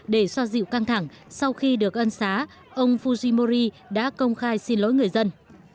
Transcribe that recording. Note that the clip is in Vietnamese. để xoa dịu căng thẳng sau khi được ân xá ông fujimori đã công khai xin lỗi người dân